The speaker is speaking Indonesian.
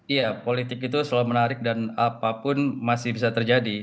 iya politik itu selalu menarik dan apapun masih bisa terjadi